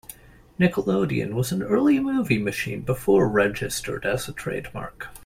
"Nickelodeon" was an early movie machine before registered as a trademark.